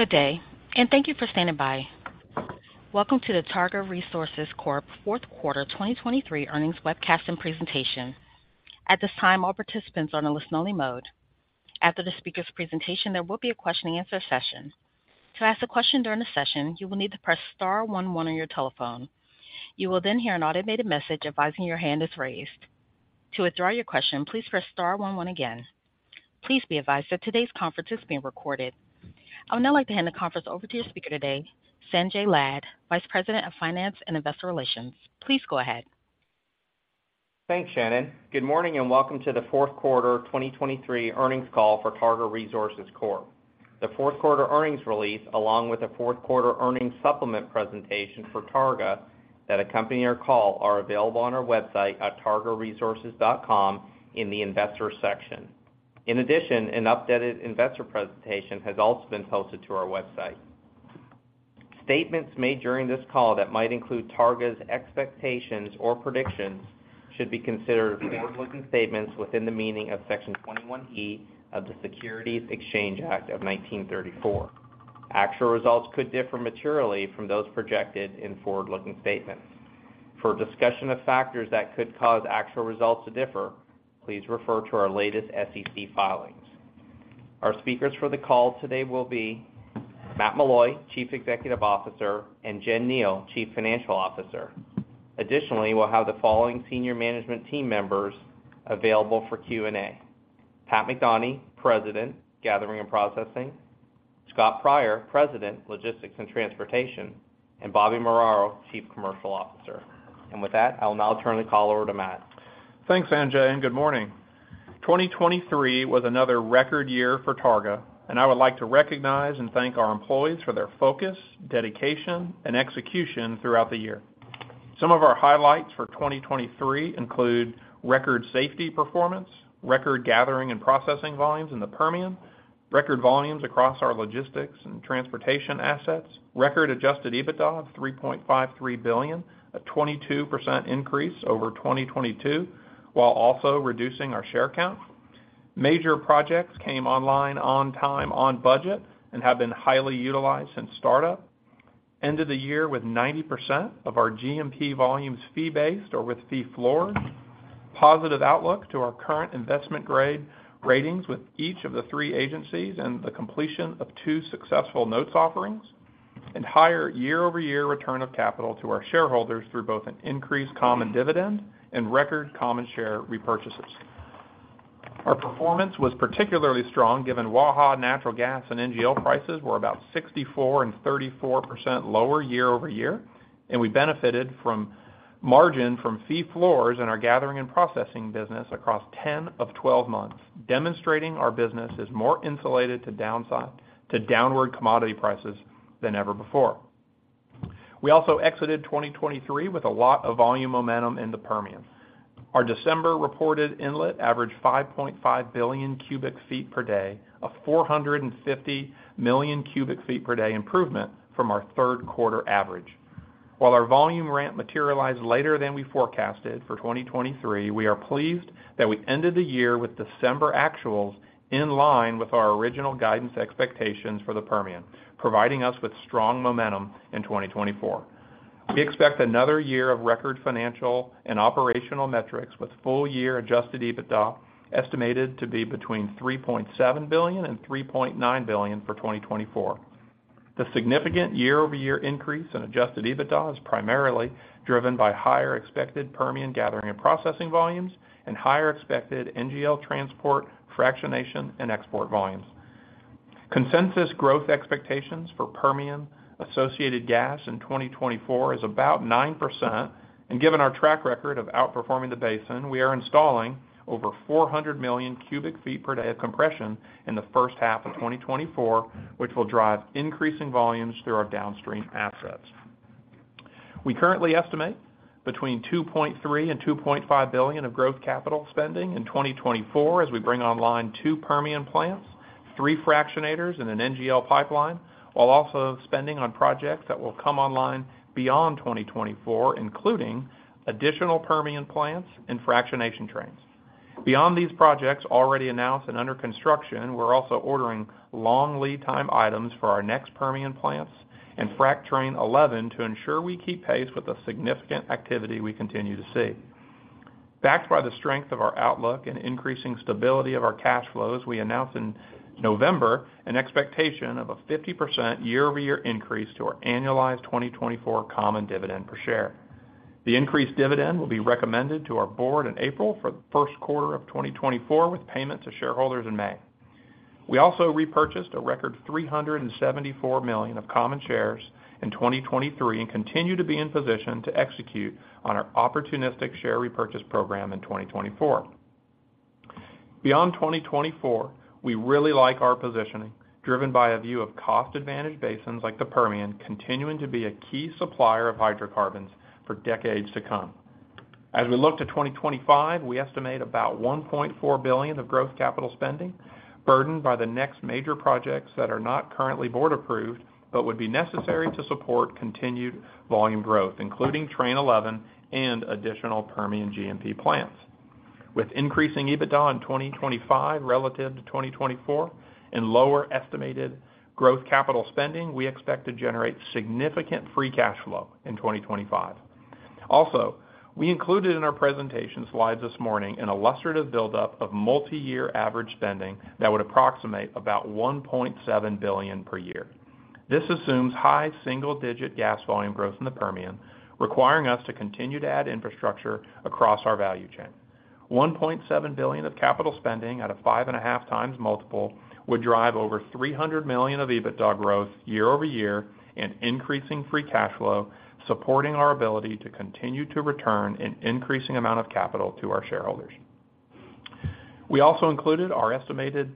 Good day, and thank you for standing by. Welcome to the Targa Resources Corp fourth quarter 2023 earnings webcast and presentation. At this time, all participants are on a listen-only mode. After the speaker's presentation, there will be a question-and-answer session. To ask a question during the session, you will need to press star 11 on your telephone. You will then hear an automated message advising your hand is raised. To withdraw your question, please press star 11 again. Please be advised that today's conference is being recorded. I would now like to hand the conference over to your speaker today, Sanjay Lad, Vice President of Finance and Investor Relations. Please go ahead. Thanks, Shannon. Good morning and welcome to the fourth quarter 2023 earnings call for Targa Resources Corp. The fourth quarter earnings release, along with a fourth quarter earnings supplement presentation for Targa that accompany our call, are available on our website at targaresources.com in the Investors section. In addition, an updated investor presentation has also been posted to our website. Statements made during this call that might include Targa's expectations or predictions should be considered forward-looking statements within the meaning of Section 21E of the Securities Exchange Act of 1934. Actual results could differ materially from those projected in forward-looking statements. For discussion of factors that could cause actual results to differ, please refer to our latest SEC filings. Our speakers for the call today will be Matt Meloy, Chief Executive Officer, and Jen Kneale, Chief Financial Officer. Additionally, we'll have the following senior management team members available for Q&A: Pat McDonie, President, Gathering and Processing; Scott Pryor, President, Logistics and Transportation; and Bobby Muraro, Chief Commercial Officer. And with that, I will now turn the call over to Matt. Thanks, Sanjay, and good morning. 2023 was another record year for Targa, and I would like to recognize and thank our employees for their focus, dedication, and execution throughout the year. Some of our highlights for 2023 include record safety performance, record gathering and processing volumes in the Permian, record volumes across our logistics and transportation assets, record Adjusted EBITDA of $3.53 billion, a 22% increase over 2022 while also reducing our share count. Major projects came online, on time, on budget, and have been highly utilized since startup. End of the year with 90% of our G&P volumes fee-based or with fee floors. Positive outlook to our current investment grade ratings with each of the three agencies and the completion of two successful notes offerings. Higher year-over-year return of capital to our shareholders through both an increased common dividend and record common share repurchases. Our performance was particularly strong given Waha, natural gas, and NGL prices were about 64% and 34% lower year-over-year, and we benefited from margin from fee floors in our gathering and processing business across 10 of 12 months, demonstrating our business is more insulated to downward commodity prices than ever before. We also exited 2023 with a lot of volume momentum in the Permian. Our December reported inlet averaged 5.5 billion cubic feet per day, a 450 million cubic feet per day improvement from our third quarter average. While our volume ramp materialized later than we forecasted for 2023, we are pleased that we ended the year with December actuals in line with our original guidance expectations for the Permian, providing us with strong momentum in 2024. We expect another year of record financial and operational metrics with full-year Adjusted EBITDA estimated to be between $3.7 billion and $3.9 billion for 2024. The significant year-over-year increase in Adjusted EBITDA is primarily driven by higher expected Permian gathering and processing volumes and higher expected NGL transport, fractionation, and export volumes. Consensus growth expectations for Permian associated gas in 2024 is about 9%, and given our track record of outperforming the basin, we are installing over 400 million cubic feet per day of compression in the first half of 2024, which will drive increasing volumes through our downstream assets. We currently estimate between $2.3 billion and $2.5 billion of growth capital spending in 2024 as we bring online two Permian plants, three fractionators, and an NGL pipeline, while also spending on projects that will come online beyond 2024, including additional Permian plants and fractionation trains. Beyond these projects already announced and under construction, we're also ordering long lead time items for our next Permian plants and Train 11 to ensure we keep pace with the significant activity we continue to see. Backed by the strength of our outlook and increasing stability of our cash flows, we announced in November an expectation of a 50% year-over-year increase to our annualized 2024 common dividend per share. The increased dividend will be recommended to our board in April for the first quarter of 2024 with payment to shareholders in May. We also repurchased a record 374 million common shares in 2023 and continue to be in position to execute on our opportunistic share repurchase program in 2024. Beyond 2024, we really like our positioning, driven by a view of cost-advantaged basins like the Permian continuing to be a key supplier of hydrocarbons for decades to come. As we look to 2025, we estimate about $1.4 billion of growth capital spending burdened by the next major projects that are not currently board approved but would be necessary to support continued volume growth, including Train 11 and additional Permian G&P plants. With increasing EBITDA in 2025 relative to 2024 and lower estimated growth capital spending, we expect to generate significant free cash flow in 2025. Also, we included in our presentation slides this morning an illustrative buildup of multi-year average spending that would approximate about $1.7 billion per year. This assumes high single-digit gas volume growth in the Permian, requiring us to continue to add infrastructure across our value chain. $1.7 billion of capital spending at a 5.5x multiple would drive over $300 million of EBITDA growth year-over-year and increasing free cash flow, supporting our ability to continue to return an increasing amount of capital to our shareholders. We also included our estimated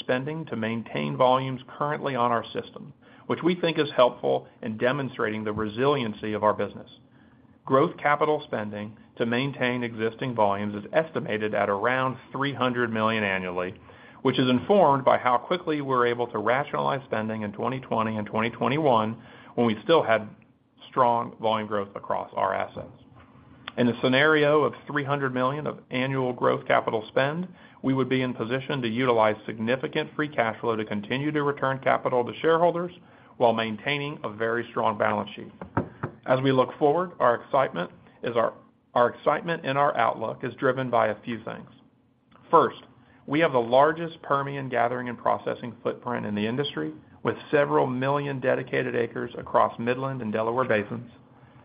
spending to maintain volumes currently on our system, which we think is helpful in demonstrating the resiliency of our business. Growth capital spending to maintain existing volumes is estimated at around $300 million annually, which is informed by how quickly we're able to rationalize spending in 2020 and 2021 when we still had strong volume growth across our assets. In the scenario of $300 million of annual growth capital spend, we would be in position to utilize significant free cash flow to continue to return capital to shareholders while maintaining a very strong balance sheet. As we look forward, our excitement in our outlook is driven by a few things. First, we have the largest Permian gathering and processing footprint in the industry with several million dedicated acres across Midland and Delaware Basins.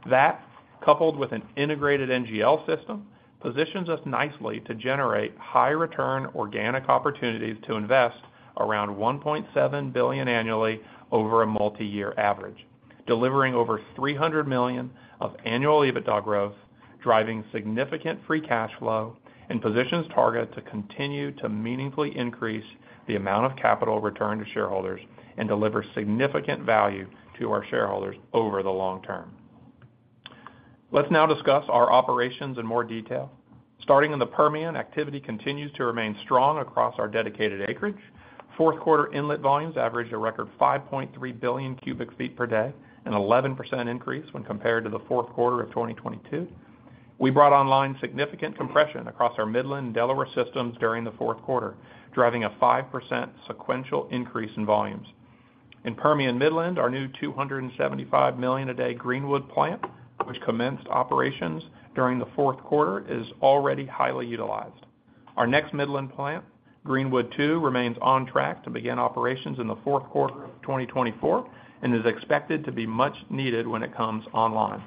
That, coupled with an integrated NGL system, positions us nicely to generate high-return organic opportunities to invest around $1.7 billion annually over a multi-year average, delivering over $300 million of annual EBITDA growth, driving significant free cash flow, and positions Targa to continue to meaningfully increase the amount of capital returned to shareholders and deliver significant value to our shareholders over the long term. Let's now discuss our operations in more detail. Starting in the Permian, activity continues to remain strong across our dedicated acreage. Fourth quarter inlet volumes averaged a record 5.3 billion cubic feet per day, an 11% increase when compared to the fourth quarter of 2022. We brought online significant compression across our Midland and Delaware systems during the fourth quarter, driving a 5% sequential increase in volumes. In Permian Midland, our new 275 million a day Greenwood plant, which commenced operations during the fourth quarter, is already highly utilized. Our next Midland plant, Greenwood 2, remains on track to begin operations in the fourth quarter of 2024 and is expected to be much needed when it comes online.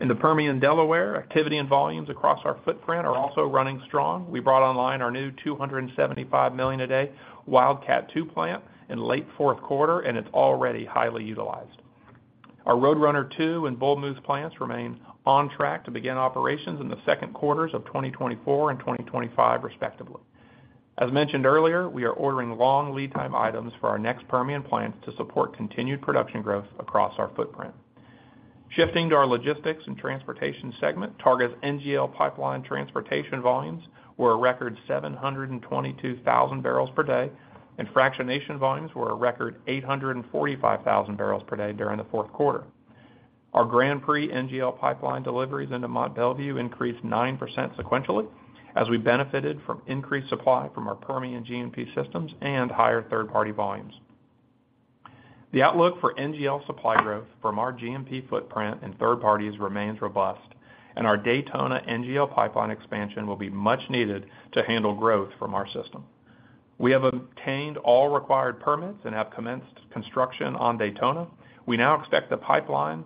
In the Permian Delaware, activity and volumes across our footprint are also running strong. We brought online our new 275 million a day Wildcat 2 plant in late fourth quarter, and it's already highly utilized. Our Roadrunner 2 and Bull Moose plants remain on track to begin operations in the second quarters of 2024 and 2025, respectively. As mentioned earlier, we are ordering long lead time items for our next Permian plants to support continued production growth across our footprint. Shifting to our logistics and transportation segment, Targa's NGL pipeline transportation volumes were a record 722,000 barrels per day, and fractionation volumes were a record 845,000 barrels per day during the fourth quarter. Our Grand Prix NGL pipeline deliveries into Mont Belvieu increased 9% sequentially as we benefited from increased supply from our Permian GMP systems and higher third-party volumes. The outlook for NGL supply growth from our GMP footprint and third parties remains robust, and our Daytona NGL pipeline expansion will be much needed to handle growth from our system. We have obtained all required permits and have commenced construction on Daytona. We now expect the pipeline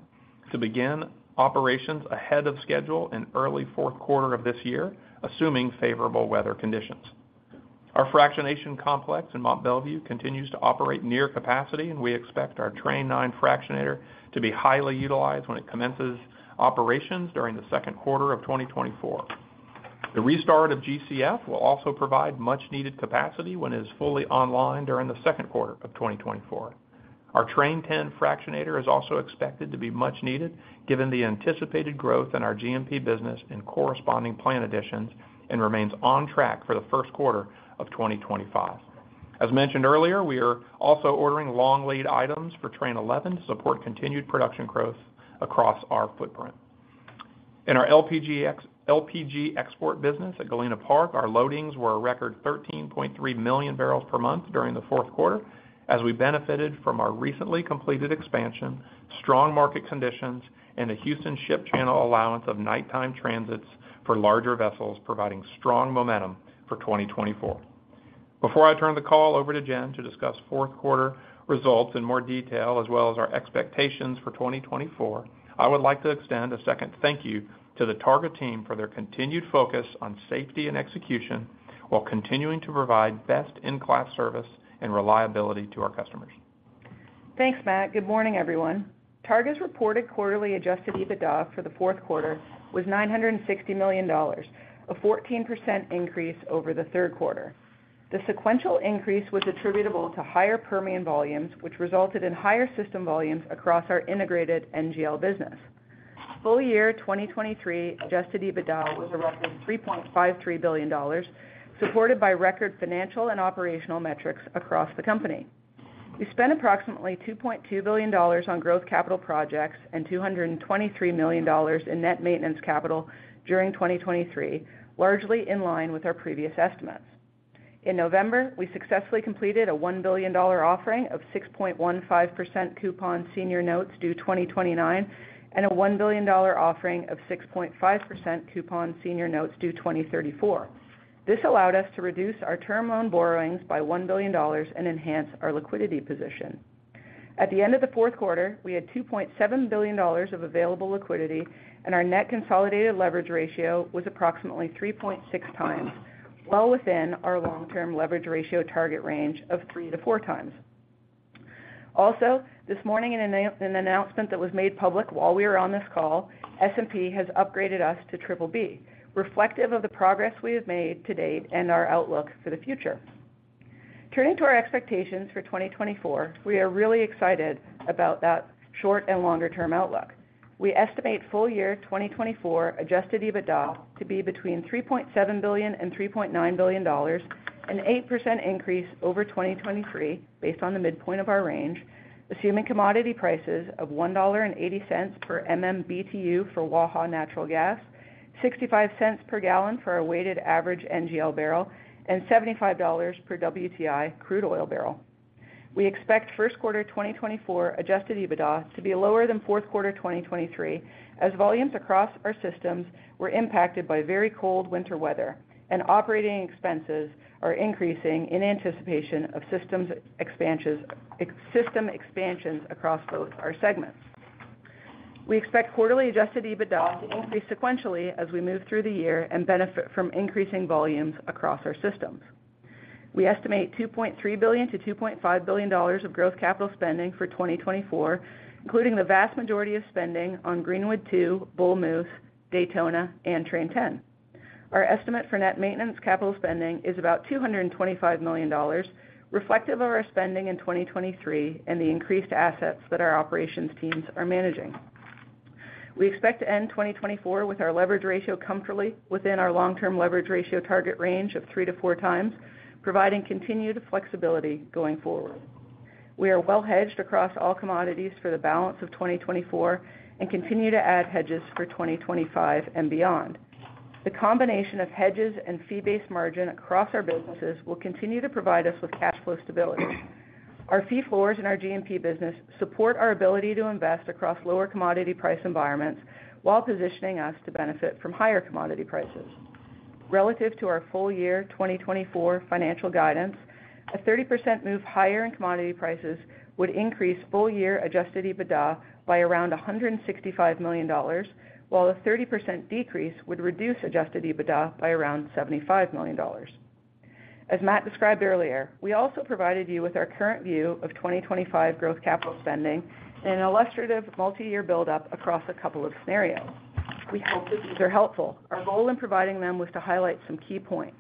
to begin operations ahead of schedule in early fourth quarter of this year, assuming favorable weather conditions. Our fractionation complex in Mont Belvieu continues to operate near capacity, and we expect our Train 9 fractionator to be highly utilized when it commences operations during the second quarter of 2024. The restart of GCF will also provide much-needed capacity when it is fully online during the second quarter of 2024. Our Train 10 fractionator is also expected to be much needed given the anticipated growth in our GMP business and corresponding plant additions and remains on track for the first quarter of 2025. As mentioned earlier, we are also ordering long lead items for Train 11 to support continued production growth across our footprint. In our LPG export business at Galena Park, our loadings were a record 13.3 million barrels per month during the fourth quarter as we benefited from our recently completed expansion, strong market conditions, and a Houston Ship Channel allowance of nighttime transits for larger vessels, providing strong momentum for 2024. Before I turn the call over to Jen to discuss fourth quarter results in more detail, as well as our expectations for 2024, I would like to extend a second thank you to the Targa team for their continued focus on safety and execution while continuing to provide best-in-class service and reliability to our customers. Thanks, Matt. Good morning, everyone. Targa's reported quarterly Adjusted EBITDA for the fourth quarter was $960 million, a 14% increase over the third quarter. The sequential increase was attributable to higher Permian volumes, which resulted in higher system volumes across our integrated NGL business. Full year 2023 Adjusted EBITDA was a record $3.53 billion, supported by record financial and operational metrics across the company. We spent approximately $2.2 billion on growth capital projects and $223 million in net maintenance capital during 2023, largely in line with our previous estimates. In November, we successfully completed a $1 billion offering of 6.15% coupon senior notes due 2029 and a $1 billion offering of 6.5% coupon senior notes due 2034. This allowed us to reduce our term loan borrowings by $1 billion and enhance our liquidity position. At the end of the fourth quarter, we had $2.7 billion of available liquidity, and our net consolidated leverage ratio was approximately 3.6 times, well within our long-term leverage ratio target range of 3-4 times. Also, this morning, in an announcement that was made public while we were on this call, S&P has upgraded us to BBB, reflective of the progress we have made to date and our outlook for the future. Turning to our expectations for 2024, we are really excited about that short and longer-term outlook. We estimate full year 2024 Adjusted EBITDA to be between $3.7 billion and $3.9 billion, an 8% increase over 2023 based on the midpoint of our range, assuming commodity prices of $1.80 per MMBTU for Waha natural gas, $0.65 per gallon for our weighted average NGL barrel, and $75 per WTI crude oil barrel. We expect first quarter 2024 Adjusted EBITDA to be lower than fourth quarter 2023 as volumes across our systems were impacted by very cold winter weather and operating expenses are increasing in anticipation of system expansions across both our segments. We expect quarterly Adjusted EBITDA to increase sequentially as we move through the year and benefit from increasing volumes across our systems. We estimate $2.3 billion-$2.5 billion of growth capital spending for 2024, including the vast majority of spending on Greenwood 2, Bull Moose, Daytona, and Train 10. Our estimate for net maintenance capital spending is about $225 million, reflective of our spending in 2023 and the increased assets that our operations teams are managing. We expect to end 2024 with our leverage ratio comfortably within our long-term leverage ratio target range of 3-4 times, providing continued flexibility going forward. We are well hedged across all commodities for the balance of 2024 and continue to add hedges for 2025 and beyond. The combination of hedges and fee-based margin across our businesses will continue to provide us with cash flow stability. Our fee floors in our GMP business support our ability to invest across lower commodity price environments while positioning us to benefit from higher commodity prices. Relative to our full year 2024 financial guidance, a 30% move higher in commodity prices would increase full year Adjusted EBITDA by around $165 million, while a 30% decrease would reduce Adjusted EBITDA by around $75 million. As Matt described earlier, we also provided you with our current view of 2025 growth capital spending and an illustrative multi-year buildup across a couple of scenarios. We hope that these are helpful. Our goal in providing them was to highlight some key points.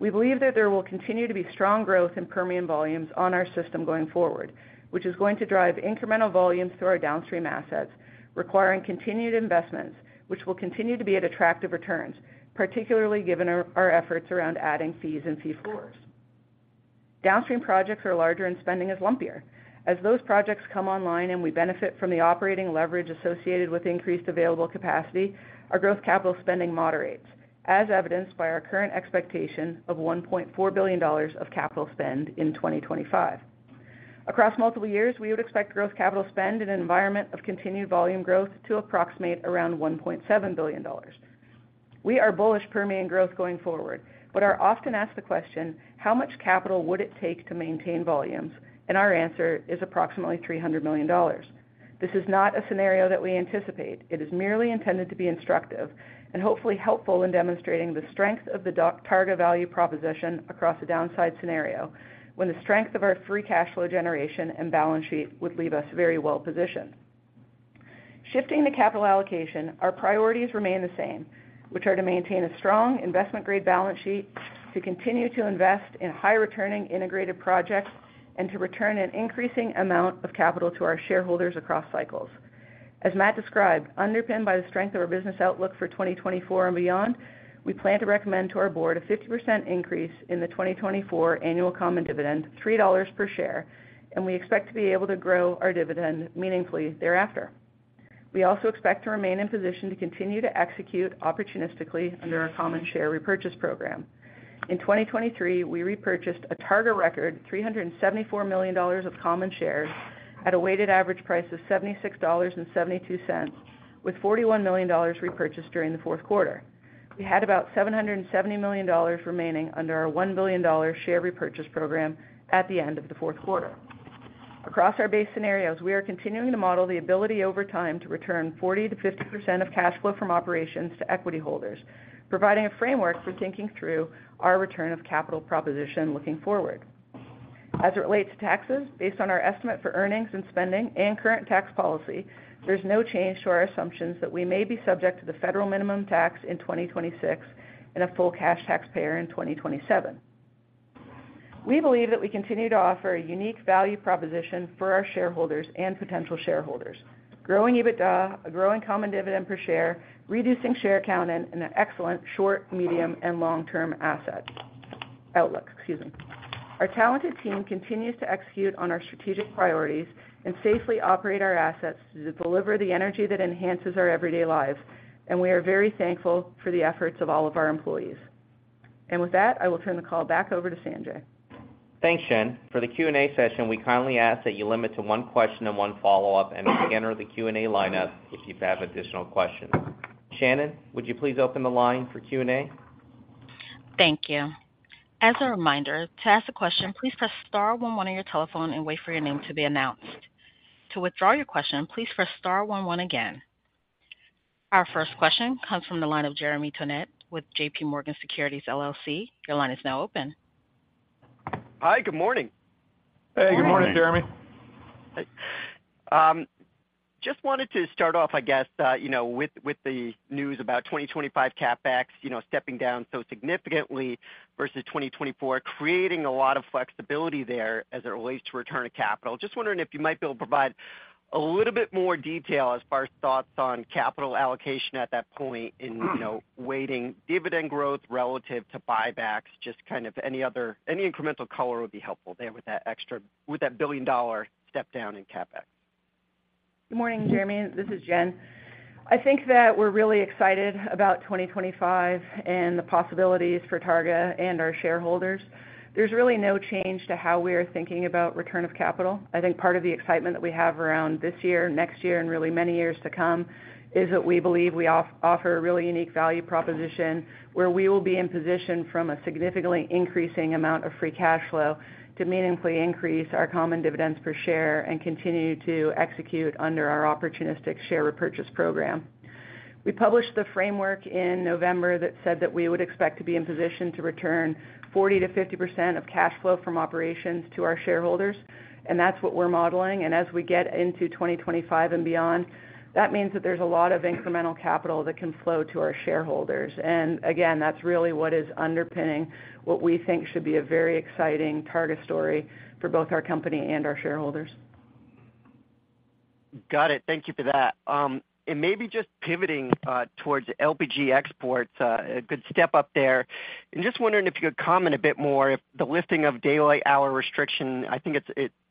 We believe that there will continue to be strong growth in Permian volumes on our system going forward, which is going to drive incremental volumes through our downstream assets, requiring continued investments, which will continue to be at attractive returns, particularly given our efforts around adding fees and fee floors. Downstream projects are larger and spending is lumpier. As those projects come online and we benefit from the operating leverage associated with increased available capacity, our growth capital spending moderates, as evidenced by our current expectation of $1.4 billion of capital spend in 2025. Across multiple years, we would expect growth capital spend in an environment of continued volume growth to approximate around $1.7 billion. We are bullish Permian growth going forward, but are often asked the question, "How much capital would it take to maintain volumes?" and our answer is approximately $300 million. This is not a scenario that we anticipate. It is merely intended to be instructive and hopefully helpful in demonstrating the strength of the Targa value proposition across a downside scenario when the strength of our free cash flow generation and balance sheet would leave us very well positioned. Shifting to capital allocation, our priorities remain the same, which are to maintain a strong investment-grade balance sheet, to continue to invest in high-returning integrated projects, and to return an increasing amount of capital to our shareholders across cycles. As Matt described, underpinned by the strength of our business outlook for 2024 and beyond, we plan to recommend to our board a 50% increase in the 2024 annual common dividend, $3 per share, and we expect to be able to grow our dividend meaningfully thereafter. We also expect to remain in position to continue to execute opportunistically under our common share repurchase program. In 2023, we repurchased a Targa record $374 million of common shares at a weighted average price of $76.72, with $41 million repurchased during the fourth quarter. We had about $770 million remaining under our $1 billion share repurchase program at the end of the fourth quarter. Across our base scenarios, we are continuing to model the ability over time to return 40%-50% of cash flow from operations to equity holders, providing a framework for thinking through our return of capital proposition looking forward. As it relates to taxes, based on our estimate for earnings and spending and current tax policy, there's no change to our assumptions that we may be subject to the federal minimum tax in 2026 and a full cash taxpayer in 2027. We believe that we continue to offer a unique value proposition for our shareholders and potential shareholders, growing EBITDA, a growing common dividend per share, reducing share count, and excellent short, medium, and long-term asset outlooks. Our talented team continues to execute on our strategic priorities and safely operate our assets to deliver the energy that enhances our everyday lives, and we are very thankful for the efforts of all of our employees. With that, I will turn the call back over to Sanjay. Thanks, Shannon. For the Q&A session, we kindly ask that you limit to one question and one follow-up and we'll scatter the Q&A lineup if you have additional questions. Shannon, would you please open the line for Q&A? Thank you. As a reminder, to ask a question, please press star 11 on your telephone and wait for your name to be announced. To withdraw your question, please press star 11 again. Our first question comes from the line of Jeremy Tonet with J.P. Morgan. Your line is now open. Hi. Good morning. Hey. Good morning, Jeremy. Hey. Just wanted to start off, I guess, with the news about 2025 CapEx stepping down so significantly versus 2024, creating a lot of flexibility there as it relates to return to capital. Just wondering if you might be able to provide a little bit more detail as far as thoughts on capital allocation at that point in weighting dividend growth relative to buybacks, just kind of any incremental color would be helpful there with that $1 billion step down in CapEx. Good morning, Jeremy. This is Jen. I think that we're really excited about 2025 and the possibilities for Targa and our shareholders. There's really no change to how we are thinking about return of capital. I think part of the excitement that we have around this year, next year, and really many years to come is that we believe we offer a really unique value proposition where we will be in position from a significantly increasing amount of free cash flow to meaningfully increase our common dividends per share and continue to execute under our opportunistic share repurchase program. We published the framework in November that said that we would expect to be in position to return 40%-50% of cash flow from operations to our shareholders, and that's what we're modeling. As we get into 2025 and beyond, that means that there's a lot of incremental capital that can flow to our shareholders. Again, that's really what is underpinning what we think should be a very exciting Targa story for both our company and our shareholders. Got it. Thank you for that. And maybe just pivoting towards LPG exports, a good step up there. And just wondering if you could comment a bit more if the lifting of daylight hour restriction, I think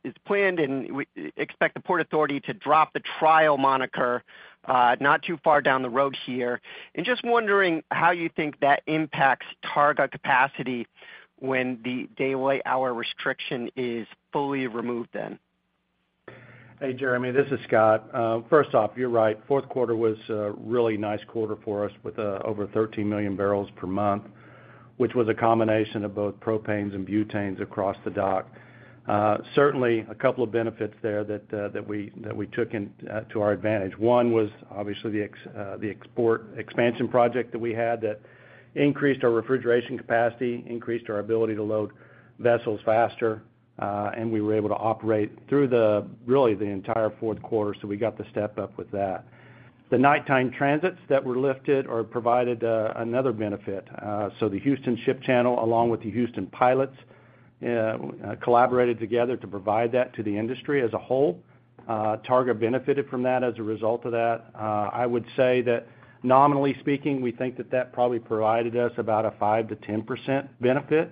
it's planned, and we expect the Port Authority to drop the trial moniker not too far down the road here. And just wondering how you think that impacts Targa capacity when the daylight hour restriction is fully removed then. Hey, Jeremy. This is Scott. First off, you're right. Fourth quarter was a really nice quarter for us with over 13 million barrels per month, which was a combination of both propanes and butanes across the dock. Certainly, a couple of benefits there that we took to our advantage. One was obviously the export expansion project that we had that increased our refrigeration capacity, increased our ability to load vessels faster, and we were able to operate through really the entire fourth quarter, so we got the step up with that. The nighttime transits that were lifted provided another benefit. So the Houston Ship Channel, along with the Houston Pilots, collaborated together to provide that to the industry as a whole. Targa benefited from that as a result of that. I would say that nominally speaking, we think that that probably provided us about a 5%-10% benefit.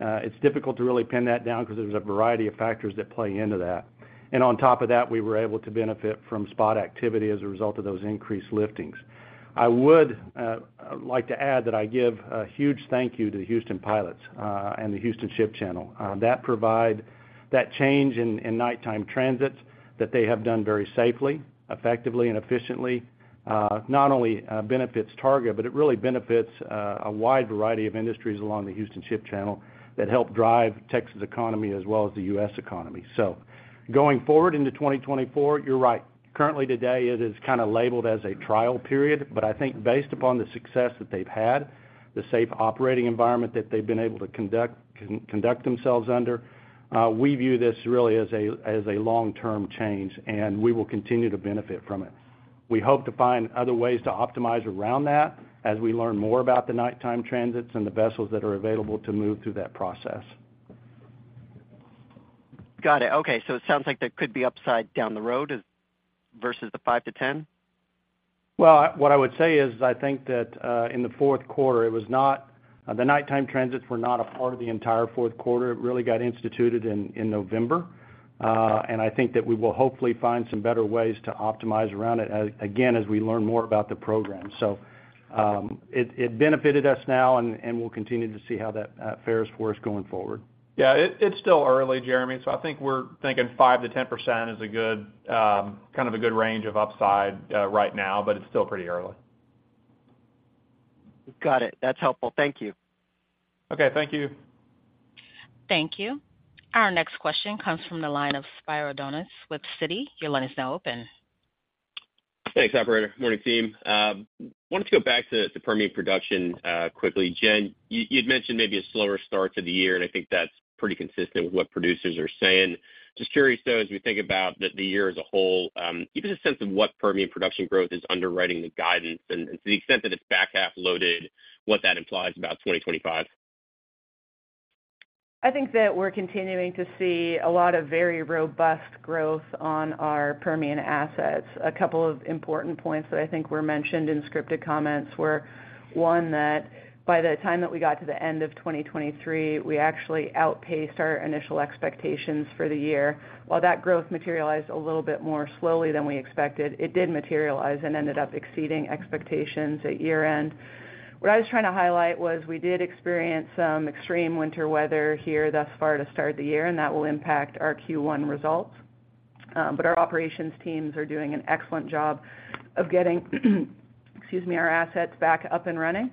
It's difficult to really pin that down because there's a variety of factors that play into that. And on top of that, we were able to benefit from spot activity as a result of those increased liftings. I would like to add that I give a huge thank you to the Houston Pilots and the Houston Ship Channel. That change in nighttime transits that they have done very safely, effectively, and efficiently not only benefits Targa, but it really benefits a wide variety of industries along the Houston Ship Channel that help drive Texas economy as well as the U.S. economy. So going forward into 2024, you're right. Currently today, it is kind of labeled as a trial period, but I think based upon the success that they've had, the safe operating environment that they've been able to conduct themselves under, we view this really as a long-term change, and we will continue to benefit from it. We hope to find other ways to optimize around that as we learn more about the nighttime transits and the vessels that are available to move through that process. Got it. Okay. So it sounds like there could be upside down the road versus the 5-10? Well, what I would say is I think that in the fourth quarter, it was not. The nighttime transits were not a part of the entire fourth quarter. It really got instituted in November. And I think that we will hopefully find some better ways to optimize around it, again, as we learn more about the program. So it benefited us now, and we'll continue to see how that fares for us going forward. Yeah. It's still early, Jeremy. So I think we're thinking 5%-10% is kind of a good range of upside right now, but it's still pretty early. Got it. That's helpful. Thank you. Okay. Thank you. Thank you. Our next question comes from the line of Spiro Dounis with Citi. Your line is now open. Thanks, operator. Morning, team. Wanted to go back to Permian production quickly. Jen, you'd mentioned maybe a slower start to the year, and I think that's pretty consistent with what producers are saying. Just curious though, as we think about the year as a whole, give us a sense of what Permian production growth is underwriting the guidance and to the extent that it's back half loaded, what that implies about 2025? I think that we're continuing to see a lot of very robust growth on our Permian assets. A couple of important points that I think were mentioned in scripted comments were, one, that by the time that we got to the end of 2023, we actually outpaced our initial expectations for the year. While that growth materialized a little bit more slowly than we expected, it did materialize and ended up exceeding expectations at year-end. What I was trying to highlight was we did experience some extreme winter weather here thus far to start the year, and that will impact our Q1 results. But our operations teams are doing an excellent job of getting our assets back up and running.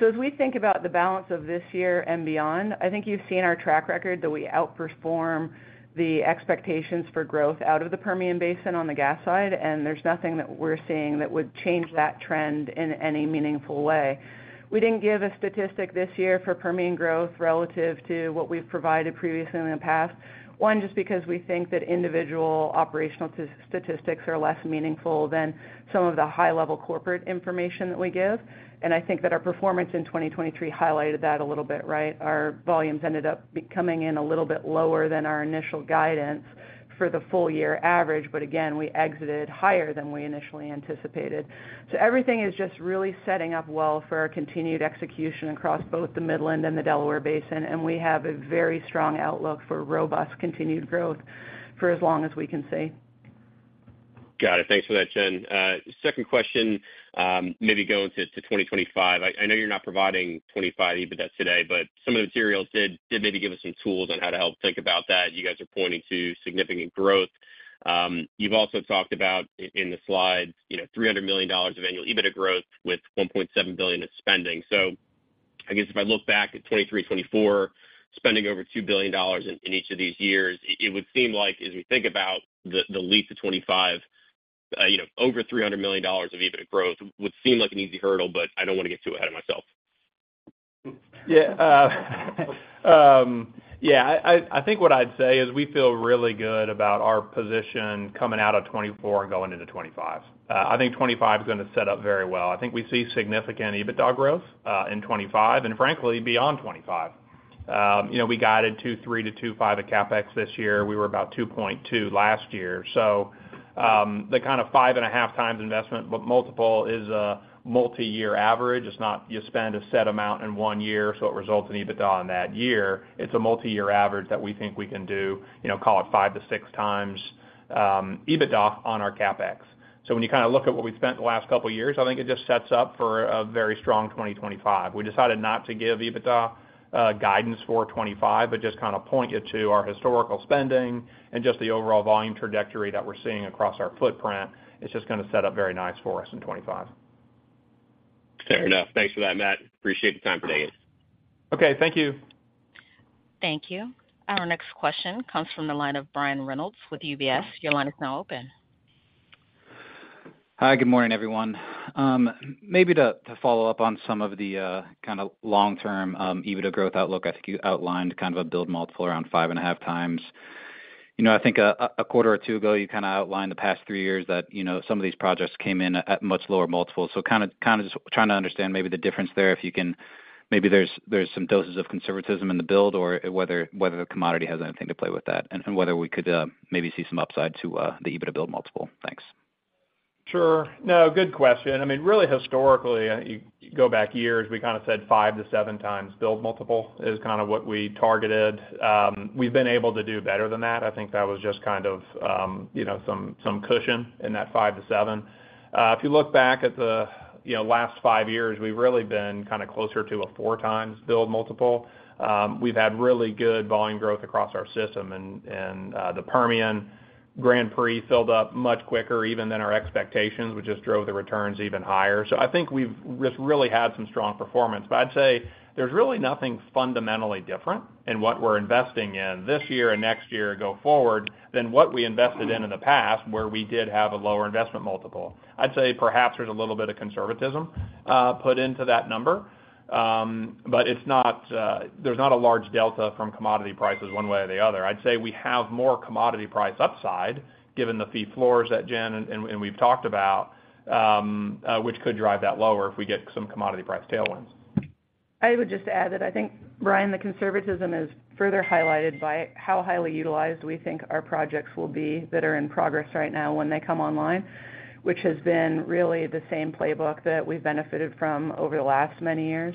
So as we think about the balance of this year and beyond, I think you've seen our track record that we outperform the expectations for growth out of the Permian Basin on the gas side, and there's nothing that we're seeing that would change that trend in any meaningful way. We didn't give a statistic this year for Permian growth relative to what we've provided previously in the past, one, just because we think that individual operational statistics are less meaningful than some of the high-level corporate information that we give. I think that our performance in 2023 highlighted that a little bit, right? Our volumes ended up coming in a little bit lower than our initial guidance for the full-year average, but again, we exited higher than we initially anticipated. So everything is just really setting up well for our continued execution across both the Midland and the Delaware Basin, and we have a very strong outlook for robust continued growth for as long as we can see. Got it. Thanks for that, Jen. Second question, maybe going to 2025. I know you're not providing 2025 EBITDA today, but some of the materials did maybe give us some tools on how to help think about that. You guys are pointing to significant growth. You've also talked about in the slides $300 million of annual EBITDA growth with $1.7 billion of spending. So I guess if I look back at 2023, 2024, spending over $2 billion in each of these years, it would seem like, as we think about the leap to 2025, over $300 million of EBITDA growth would seem like an easy hurdle, but I don't want to get too ahead of myself. Yeah. Yeah. I think what I'd say is we feel really good about our position coming out of 2024 and going into 2025. I think 2025 is going to set up very well. I think we see significant EBITDA growth in 2025 and, frankly, beyond 2025. We guided $2.3-$2.5 billion of CapEx this year. We were about $2.2 billion last year. So the kind of 5.5x investment multiple is a multi-year average. It's not you spend a set amount in one year so it results in EBITDA on that year. It's a multi-year average that we think we can do, call it 5-6x EBITDA on our CapEx. So when you kind of look at what we spent the last couple of years, I think it just sets up for a very strong 2025. We decided not to give EBITDA guidance for 2025, but just kind of point you to our historical spending and just the overall volume trajectory that we're seeing across our footprint. It's just going to set up very nice for us in 2025. Fair enough. Thanks for that, Matt. Appreciate the time today, in. Okay. Thank you. Thank you. Our next question comes from the line of Brian Reynolds with UBS. Your line is now open. Hi. Good morning, everyone. Maybe to follow up on some of the kind of long-term EBITDA growth outlook, I think you outlined kind of a build multiple around 5.5x. I think a quarter or two ago, you kind of outlined the past three years that some of these projects came in at much lower multiples. So kind of just trying to understand maybe the difference there, if you can maybe there's some doses of conservatism in the build or whether the commodity has anything to play with that and whether we could maybe see some upside to the EBITDA build multiple. Thanks. Sure. No, good question. I mean, really historically, you go back years, we kind of said 5-7x build multiple is kind of what we targeted. We've been able to do better than that. I think that was just kind of some cushion in that 5-7. If you look back at the last 5 years, we've really been kind of closer to a 4x build multiple. We've had really good volume growth across our system, and the Permian Grand Prix filled up much quicker even than our expectations, which just drove the returns even higher. So I think we've just really had some strong performance. But I'd say there's really nothing fundamentally different in what we're investing in this year and next year go forward than what we invested in in the past where we did have a lower investment multiple. I'd say perhaps there's a little bit of conservatism put into that number, but there's not a large delta from commodity prices one way or the other. I'd say we have more commodity price upside given the fee floors that Jen and we've talked about, which could drive that lower if we get some commodity price tailwinds. I would just add that I think, Brian, the conservatism is further highlighted by how highly utilized we think our projects will be that are in progress right now when they come online, which has been really the same playbook that we've benefited from over the last many years.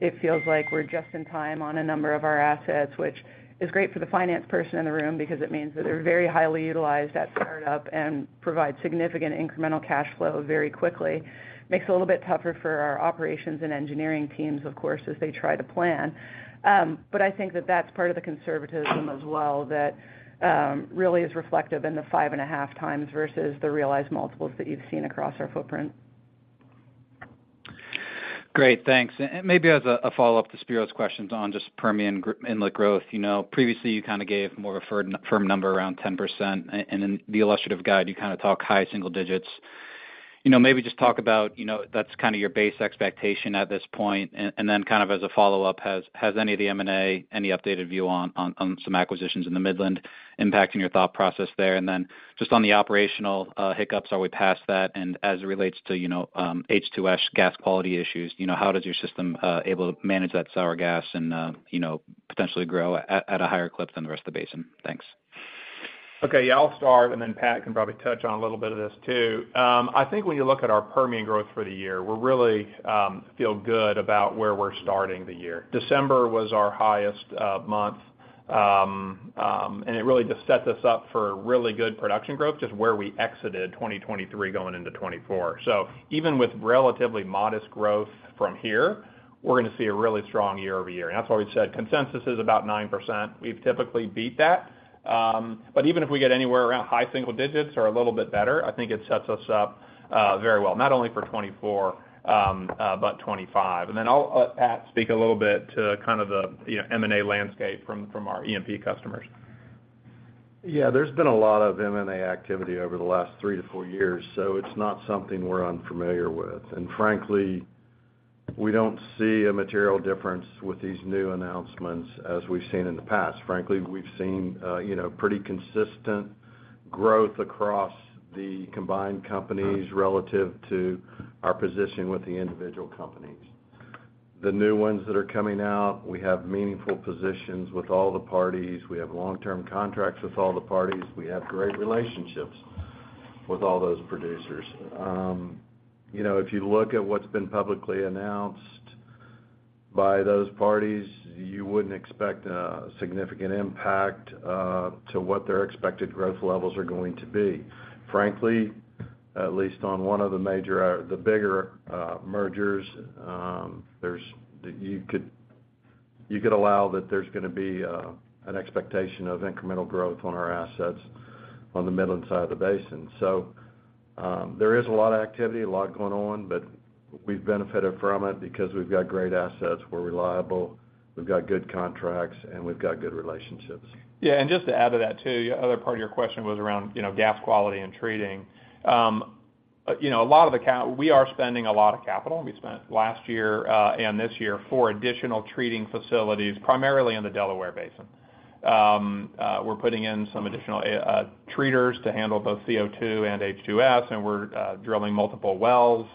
It feels like we're just in time on a number of our assets, which is great for the finance person in the room because it means that they're very highly utilized at startup and provide significant incremental cash flow very quickly. Makes it a little bit tougher for our operations and engineering teams, of course, as they try to plan. But I think that that's part of the conservatism as well that really is reflective in the 5.5x versus the realized multiples that you've seen across our footprint. Great. Thanks. And maybe as a follow-up to Spiro's questions on just Permian inlet growth, previously, you kind of gave more of a firm number around 10%, and in the illustrative guide, you kind of talk high single digits. Maybe just talk about that's kind of your base expectation at this point. And then kind of as a follow-up, has any of the M&A, any updated view on some acquisitions in the Midland impacting your thought process there? And then just on the operational hiccups, are we past that? And as it relates to H2S gas quality issues, how is your system able to manage that sour gas and potentially grow at a higher clip than the rest of the basin? Thanks. Okay. Yeah. I'll start, and then Pat can probably touch on a little bit of this too. I think when you look at our Permian growth for the year, we really feel good about where we're starting the year. December was our highest month, and it really just set this up for really good production growth just where we exited 2023 going into 2024. So even with relatively modest growth from here, we're going to see a really strong year-over-year. And that's why we said consensus is about 9%. We've typically beat that. But even if we get anywhere around high single digits or a little bit better, I think it sets us up very well, not only for 2024 but 2025. And then I'll let Pat speak a little bit to kind of the M&A landscape from our EMP customers. Yeah. There's been a lot of M&A activity over the last 3-4 years, so it's not something we're unfamiliar with. And frankly, we don't see a material difference with these new announcements as we've seen in the past. Frankly, we've seen pretty consistent growth across the combined companies relative to our position with the individual companies. The new ones that are coming out, we have meaningful positions with all the parties. We have long-term contracts with all the parties. We have great relationships with all those producers. If you look at what's been publicly announced by those parties, you wouldn't expect a significant impact to what their expected growth levels are going to be. Frankly, at least on one of the bigger mergers, you could allow that there's going to be an expectation of incremental growth on our assets on the Midland side of the basin. There is a lot of activity, a lot going on, but we've benefited from it because we've got great assets. We're reliable. We've got good contracts, and we've got good relationships. Yeah. And just to add to that too, the other part of your question was around gas quality and treating. We are spending a lot of capital. We spent last year and this year for additional treating facilities, primarily in the Delaware Basin. We're putting in some additional treaters to handle both CO2 and H2S, and we're drilling multiple wells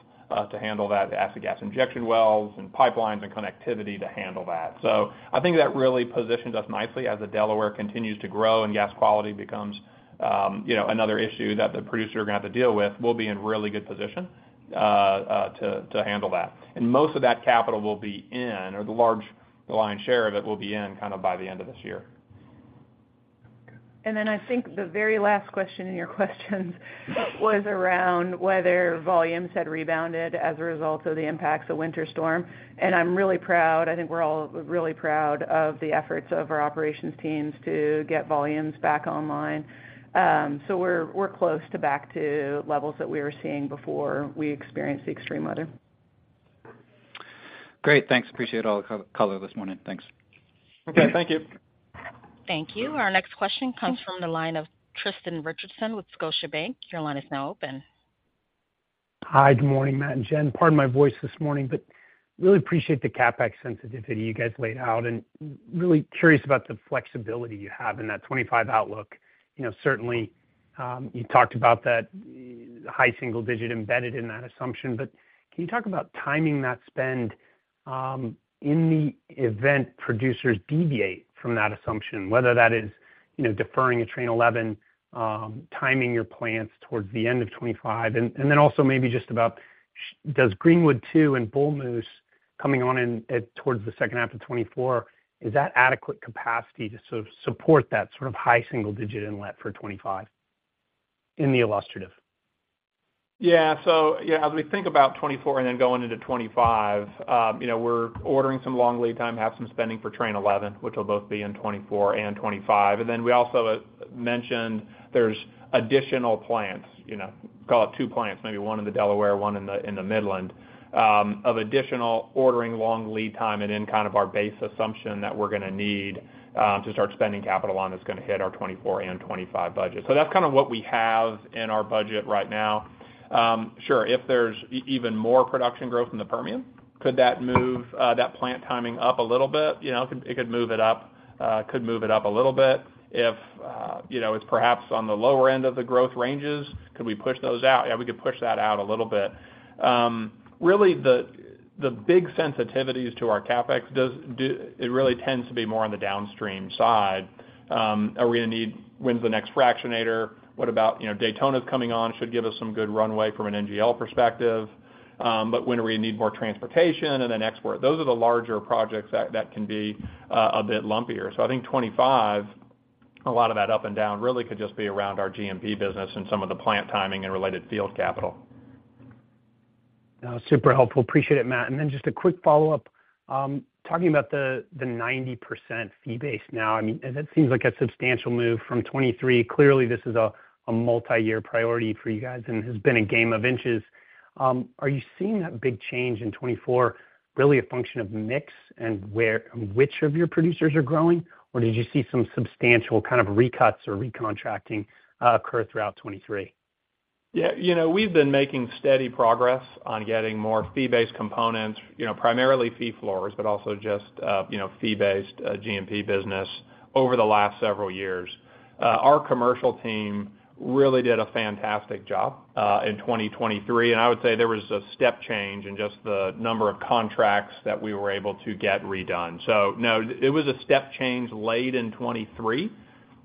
to handle that, acid gas injection wells and pipelines and connectivity to handle that. So I think that really positions us nicely as the Delaware continues to grow and gas quality becomes another issue that the producers are going to have to deal with. We'll be in really good position to handle that. And most of that capital will be in, or the lion's share of it will be in, kind of by the end of this year. Then I think the very last question in your questions was around whether volumes had rebounded as a result of the impacts of winter storm. I'm really proud. I think we're all really proud of the efforts of our operations teams to get volumes back online. We're close to back to levels that we were seeing before we experienced the extreme weather. Great. Thanks. Appreciate all the color this morning. Thanks. Okay. Thank you. Thank you. Our next question comes from the line of Tristan Richardson with Scotiabank. Your line is now open. Hi. Good morning, Matt and Jen. Pardon my voice this morning, but really appreciate the CapEx sensitivity you guys laid out and really curious about the flexibility you have in that 2025 outlook. Certainly, you talked about that high single digit embedded in that assumption, but can you talk about timing that spend in the event producers deviate from that assumption, whether that is deferring a Train 11, timing your plants towards the end of 2025, and then also maybe just about does Greenwood 2 and Bull Moose coming on in towards the second half of 2024, is that adequate capacity to support that sort of high single digit inlet for 2025 in the illustrative? Yeah. So yeah, as we think about 2024 and then going into 2025, we're ordering some long lead time, have some spending for Train 11, which will both be in 2024 and 2025. And then we also mentioned there's additional plants. Call it two plants, maybe one in the Delaware, one in the Midland, of additional ordering long lead time and in kind of our base assumption that we're going to need to start spending capital on that's going to hit our 2024 and 2025 budget. So that's kind of what we have in our budget right now. Sure. If there's even more production growth in the Permian, could that move that plant timing up a little bit? It could move it up. Could move it up a little bit. If it's perhaps on the lower end of the growth ranges, could we push those out? Yeah, we could push that out a little bit. Really, the big sensitivities to our CapEx, it really tends to be more on the downstream side. Are we going to need when's the next fractionator? What about Daytona's coming on? Should give us some good runway from an NGL perspective. But when are we going to need more transportation and then export? Those are the larger projects that can be a bit lumpier. So I think 2025, a lot of that up and down really could just be around our GMP business and some of the plant timing and related field capital. Super helpful. Appreciate it, Matt. Then just a quick follow-up, talking about the 90% fee base now. I mean, that seems like a substantial move from 2023. Clearly, this is a multi-year priority for you guys and has been a game of inches. Are you seeing that big change in 2024 really a function of mix and which of your producers are growing, or did you see some substantial kind of recuts or recontracting occur throughout 2023? Yeah. We've been making steady progress on getting more fee-based components, primarily fee floors, but also just fee-based GMP business over the last several years. Our commercial team really did a fantastic job in 2023, and I would say there was a step change in just the number of contracts that we were able to get redone. So no, it was a step change late in 2023,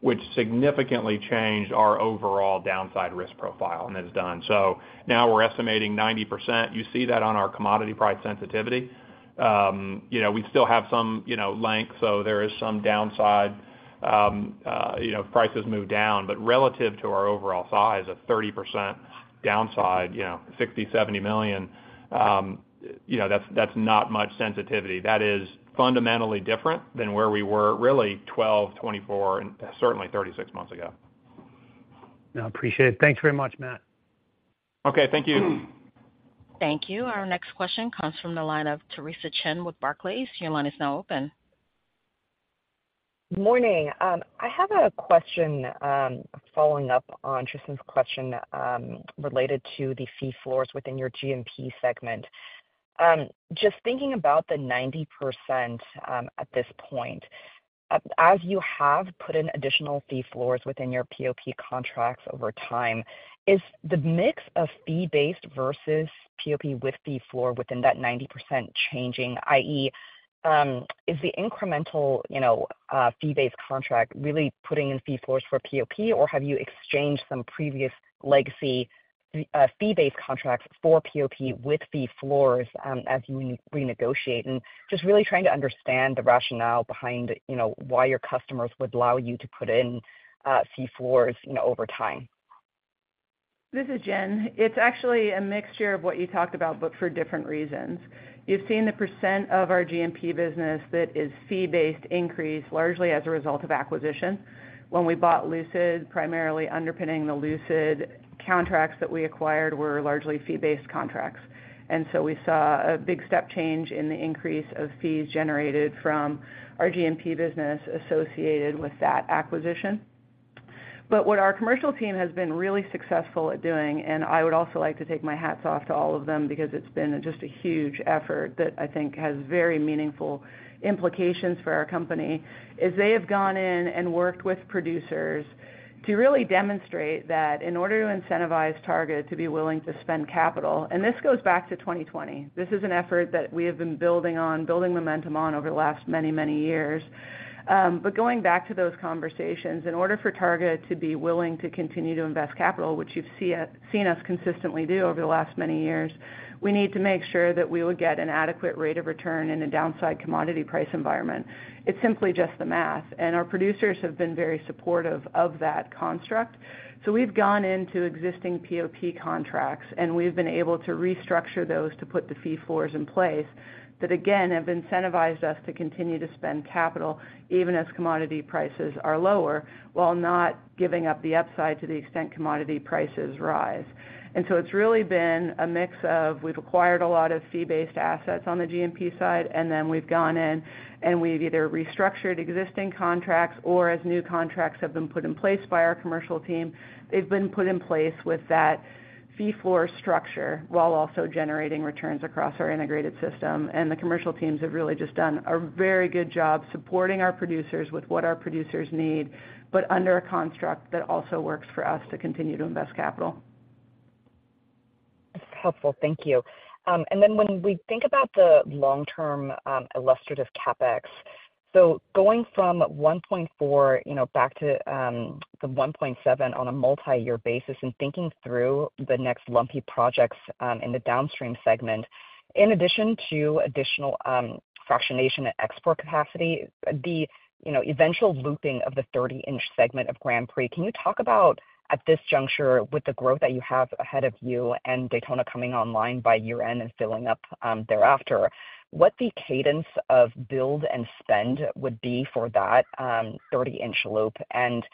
which significantly changed our overall downside risk profile, and it's done. So now we're estimating 90%. You see that on our commodity price sensitivity. We still have some length, so there is some downside. Prices move down, but relative to our overall size, a 30% downside, $60-$70 million, that's not much sensitivity. That is fundamentally different than where we were really 12, 24, and certainly 36 months ago. No, appreciate it. Thanks very much, Matt. Okay. Thank you. Thank you. Our next question comes from the line of Theresa Chen with Barclays. Your line is now open. Good morning. I have a question following up on Tristan's question related to the fee floors within your GMP segment. Just thinking about the 90% at this point, as you have put in additional fee floors within your POP contracts over time, is the mix of fee-based versus POP with fee floor within that 90% changing? i.e., is the incremental fee-based contract really putting in fee floors for POP, or have you exchanged some previous legacy fee-based contracts for POP with fee floors as you renegotiate? And just really trying to understand the rationale behind why your customers would allow you to put in fee floors over time? This is Jen. It's actually a mixture of what you talked about, but for different reasons. You've seen the percent of our GMP business that is fee-based increase largely as a result of acquisition. When we bought Lucid, primarily underpinning the Lucid contracts that we acquired were largely fee-based contracts. And so we saw a big step change in the increase of fees generated from our GMP business associated with that acquisition. But what our commercial team has been really successful at doing, and I would also like to take my hats off to all of them because it's been just a huge effort that I think has very meaningful implications for our company, is they have gone in and worked with producers to really demonstrate that in order to incentivize Targa to be willing to spend capital and this goes back to 2020. This is an effort that we have been building on, building momentum on over the last many, many years. But going back to those conversations, in order for Targa to be willing to continue to invest capital, which you've seen us consistently do over the last many years, we need to make sure that we would get an adequate rate of return in a downside commodity price environment. It's simply just the math. And our producers have been very supportive of that construct. So we've gone into existing POP contracts, and we've been able to restructure those to put the fee floors in place that, again, have incentivized us to continue to spend capital even as commodity prices are lower while not giving up the upside to the extent commodity prices rise. And so it's really been a mix of we've acquired a lot of fee-based assets on the GMP side, and then we've gone in and we've either restructured existing contracts or as new contracts have been put in place by our commercial team, they've been put in place with that fee floor structure while also generating returns across our integrated system. And the commercial teams have really just done a very good job supporting our producers with what our producers need, but under a construct that also works for us to continue to invest capital. That's helpful. Thank you. Then when we think about the long-term illustrative CapEx, so going from $1.4 back to the $1.7 on a multi-year basis and thinking through the next lumpy projects in the downstream segment, in addition to additional fractionation and export capacity, the eventual looping of the 30-inch segment of Grand Prix, can you talk about at this juncture with the growth that you have ahead of you and Daytona coming online by year-end and filling up thereafter, what the cadence of build and spend would be for that 30-inch loop, and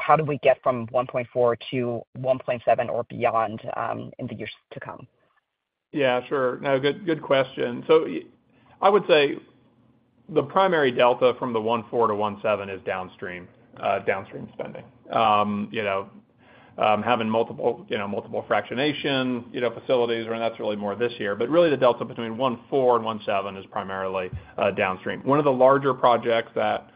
how do we get from $1.4 to $1.7 or beyond in the years to come? Yeah, sure. No, good question. So I would say the primary delta from the $1.4-$1.7 is downstream spending, having multiple fractionation facilities, and that's really more this year. But really, the delta between $1.4 and $1.7 is primarily downstream. One of the larger projects that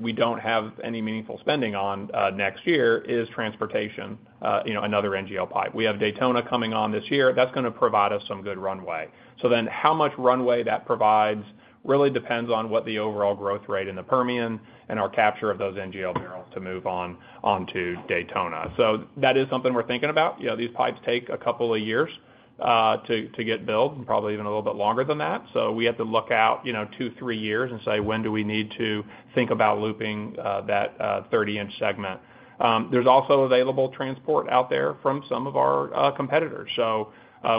we don't have any meaningful spending on next year is transportation, another NGL pipe. We have Daytona coming on this year. That's going to provide us some good runway. So then how much runway that provides really depends on what the overall growth rate in the Permian and our capture of those NGL barrels to move on to Daytona. So that is something we're thinking about. These pipes take a couple of years to get built and probably even a little bit longer than that. So we have to look out 2-3 years and say, "When do we need to think about looping that 30-inch segment?" There's also available transport out there from some of our competitors. So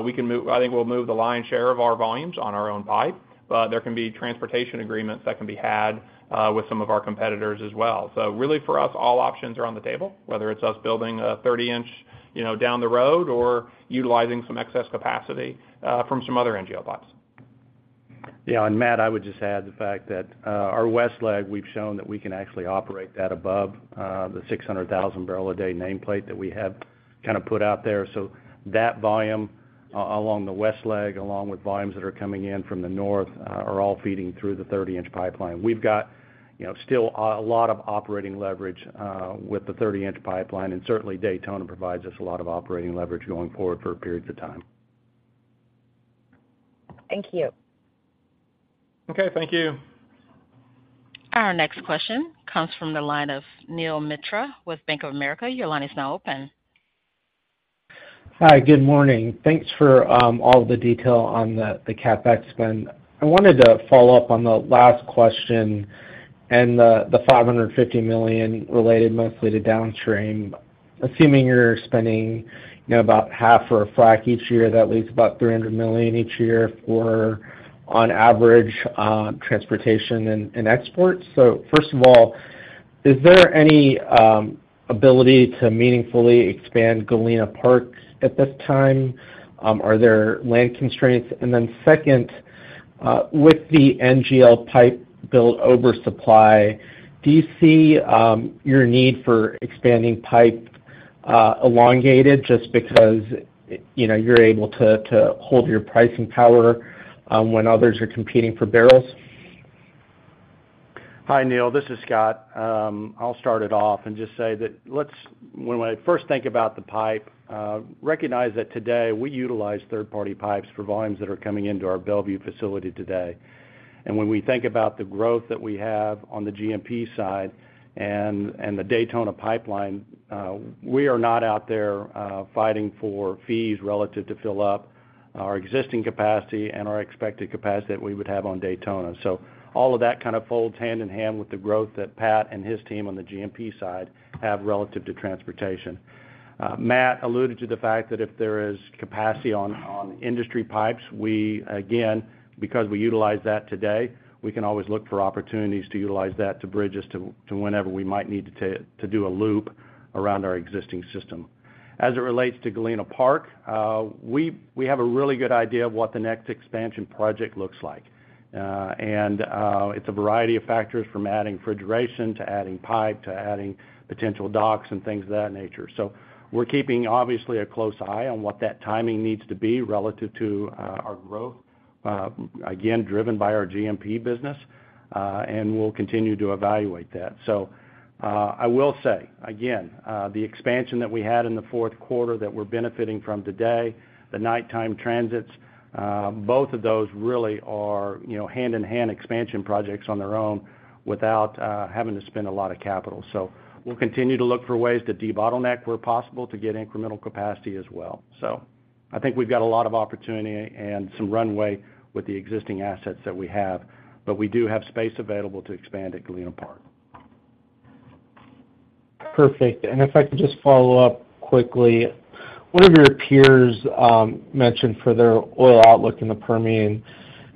we can move. I think we'll move the lion's share of our volumes on our own pipe, but there can be transportation agreements that can be had with some of our competitors as well. So really, for us, all options are on the table, whether it's us building a 30-inch down the road or utilizing some excess capacity from some other NGL pipes. Yeah. Matt, I would just add the fact that our west leg, we've shown that we can actually operate that above the 600,000-barrel-a-day nameplate that we have kind of put out there. So that volume along the west leg, along with volumes that are coming in from the north, are all feeding through the 30-inch pipeline. We've got still a lot of operating leverage with the 30-inch pipeline, and certainly, Daytona provides us a lot of operating leverage going forward for periods of time. Thank you. Okay. Thank you. Our next question comes from the line of Neel Mitra with Bank of America. Your line is now open. Hi. Good morning. Thanks for all of the detail on the CapEx spend. I wanted to follow up on the last question and the $550 million related mostly to downstream. Assuming you're spending about half or a frac each year, that leaves about $300 million each year on average transportation and exports. So first of all, is there any ability to meaningfully expand Galena Park at this time? Are there land constraints? And then second, with the NGL pipe build oversupply, do you see your need for expanding pipe elongated just because you're able to hold your pricing power when others are competing for barrels? Hi, Neel. This is Scott. I'll start it off and just say that when we first think about the pipe, recognize that today, we utilize third-party pipes for volumes that are coming into our Mont Belvieu facility today. When we think about the growth that we have on the GMP side and the Daytona pipeline, we are not out there fighting for fees relative to fill up our existing capacity and our expected capacity that we would have on Daytona. All of that kind of folds hand in hand with the growth that Pat and his team on the GMP side have relative to transportation. Matt alluded to the fact that if there is capacity on industry pipes, again, because we utilize that today, we can always look for opportunities to utilize that to bridge us to whenever we might need to do a loop around our existing system. As it relates to Galena Park, we have a really good idea of what the next expansion project looks like. And it's a variety of factors from adding refrigeration to adding pipe to adding potential docks and things of that nature. So we're keeping, obviously, a close eye on what that timing needs to be relative to our growth, again, driven by our GMP business, and we'll continue to evaluate that. So I will say, again, the expansion that we had in the fourth quarter that we're benefiting from today, the nighttime transits, both of those really are hand-in-hand expansion projects on their own without having to spend a lot of capital. So we'll continue to look for ways to debottleneck where possible to get incremental capacity as well. I think we've got a lot of opportunity and some runway with the existing assets that we have, but we do have space available to expand at Galena Park. Perfect. If I could just follow up quickly, one of your peers mentioned for their oil outlook in the Permian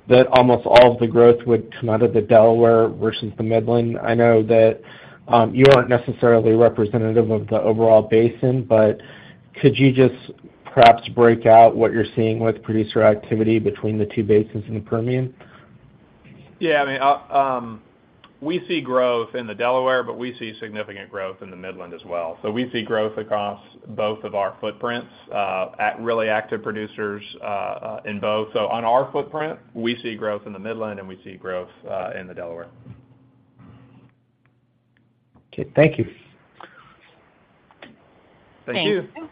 that almost all of the growth would come out of the Delaware versus the Midland. I know that you aren't necessarily representative of the overall basin, but could you just perhaps break out what you're seeing with producer activity between the two basins in the Permian? Yeah. I mean, we see growth in the Delaware, but we see significant growth in the Midland as well. So we see growth across both of our footprints, really active producers in both. So on our footprint, we see growth in the Midland, and we see growth in the Delaware. Okay. Thank you. Thank you. Thank you.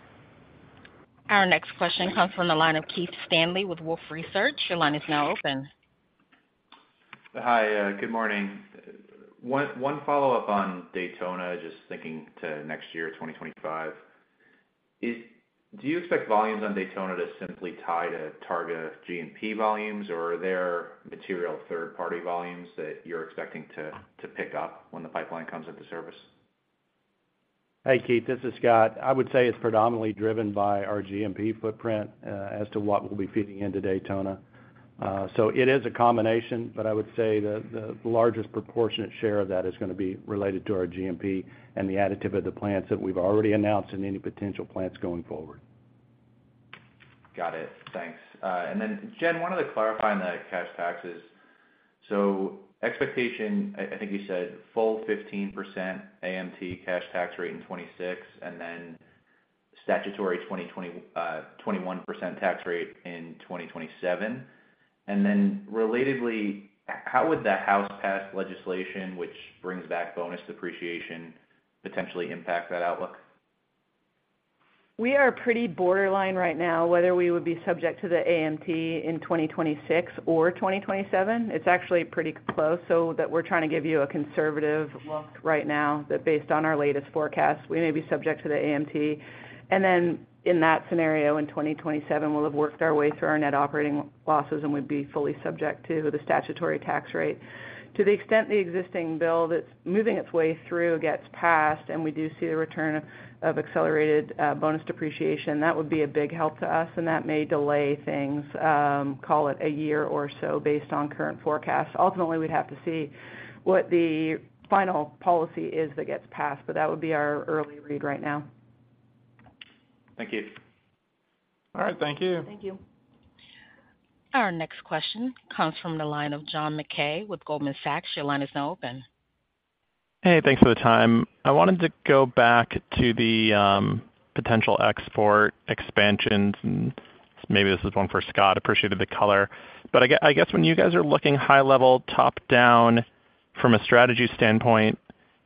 Our next question comes from the line of Keith Stanley with Wolfe Research. Your line is now open. Hi. Good morning. One follow-up on Daytona, just thinking to next year, 2025. Do you expect volumes on Daytona to simply tie to Targa GMP volumes, or are there material third-party volumes that you're expecting to pick up when the pipeline comes into service? Hi, Keith. This is Scott. I would say it's predominantly driven by our GMP footprint as to what we'll be feeding into Daytona. So it is a combination, but I would say the largest proportionate share of that is going to be related to our GMP and the additive of the plants that we've already announced and any potential plants going forward. Got it. Thanks. And then, Jen, wanted to clarify on the cash taxes. So, expectation, I think you said, full 15% AMT cash tax rate in 2026 and then statutory 21% tax rate in 2027. And then, relatedly, how would the House-passed legislation, which brings back bonus depreciation, potentially impact that outlook? We are pretty borderline right now whether we would be subject to the AMT in 2026 or 2027. It's actually pretty close so that we're trying to give you a conservative look right now that based on our latest forecasts, we may be subject to the AMT. Then in that scenario, in 2027, we'll have worked our way through our net operating losses, and we'd be fully subject to the statutory tax rate. To the extent the existing bill that's moving its way through gets passed and we do see a return of accelerated bonus depreciation, that would be a big help to us, and that may delay things, call it a year or so, based on current forecasts. Ultimately, we'd have to see what the final policy is that gets passed, but that would be our early read right now. Thank you. All right. Thank you. Thank you. Our next question comes from the line of John Mackay with Goldman Sachs. Your line is now open. Hey. Thanks for the time. I wanted to go back to the potential export expansions. Maybe this is one for Scott. Appreciated the color. But I guess when you guys are looking high-level, top-down from a strategy standpoint,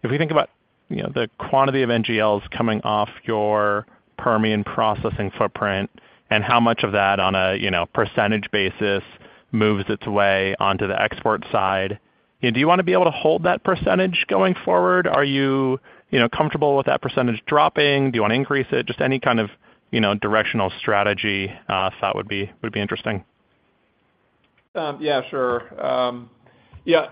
if we think about the quantity of NGLs coming off your Permian processing footprint and how much of that on a percentage basis moves its way onto the export side, do you want to be able to hold that percentage going forward? Are you comfortable with that percentage dropping? Do you want to increase it? Just any kind of directional strategy thought would be interesting. Yeah, sure. Yeah.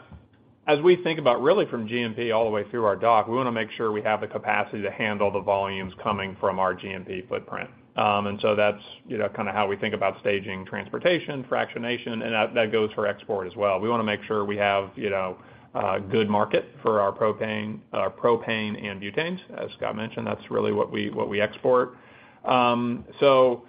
As we think about really from GMP all the way through our dock, we want to make sure we have the capacity to handle the volumes coming from our GMP footprint. And so that's kind of how we think about staging transportation, fractionation, and that goes for export as well. We want to make sure we have a good market for our propane and butanes. As Scott mentioned, that's really what we export. So